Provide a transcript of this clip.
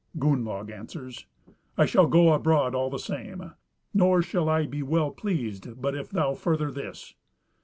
Gunnlaug answers, "I shall go abroad all the same, nor shall I be well pleased but if thou further this."